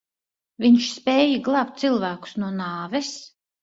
Viņš spēja glābt cilvēkus no nāves?